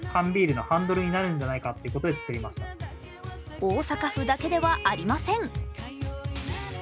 大阪府だけではありません。